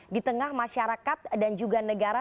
di tengah masyarakat dan juga negara